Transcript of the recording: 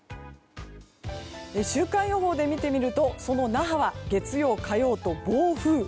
週間予報で見てみるとその那覇は月曜、火曜と暴風雨。